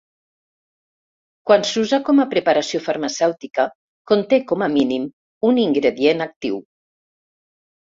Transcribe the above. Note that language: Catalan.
Quan s'usa com a preparació farmacèutica, conté com a mínim un ingredient actiu.